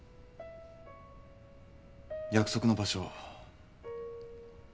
約束の場所